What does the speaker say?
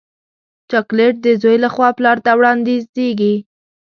چاکلېټ د زوی له خوا پلار ته وړاندیزېږي.